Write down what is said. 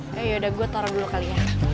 ya yaudah gue taruh dulu kali ya